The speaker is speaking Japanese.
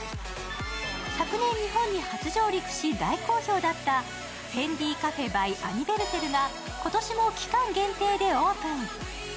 昨年日本に初上陸し、大好評だったフェンディカフェバイアニヴェルセルが今年も期間限定でオープン。